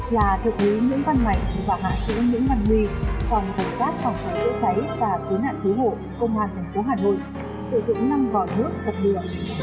là thượng quý nguyễn văn mạnh và hạ sĩ nguyễn văn huy phòng cảnh sát phòng cháy chữa cháy và cứu nạn cứu hộ công an thành phố hà nội sử dụng năm vòi nước dập đường